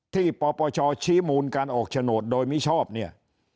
ปปชชี้มูลการออกโฉนดโดยมิชอบเนี่ย